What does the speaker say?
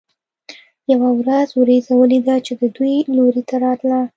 یوه ورځ ورېځ ولیده چې د دوی لوري ته راتله.